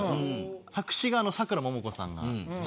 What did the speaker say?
作詞がさくらももこさんがしてて。